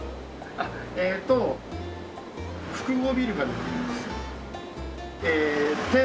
えーっと複合ビルができます。